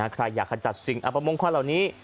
ใครอยากขจัดครรภ์ผิดอับป้ามงคละเหล่านี้